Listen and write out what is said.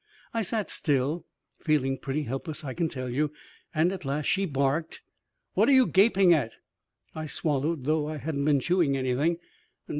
I sat still, feeling pretty helpless I can tell you, and at last she barked: "What are you gaping at?" I swallowed, though I hadn't been chewing anything.